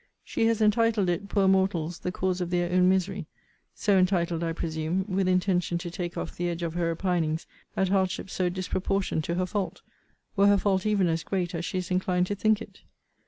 She has entitled it Poor mortals the cause of their own misery; so entitled, I presume, with intention to take off the edge of her repinings at hardships so disproportioned to her fault, were her fault even as great as she is inclined to think it.